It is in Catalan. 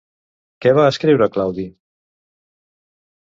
Què va escriure Claudi?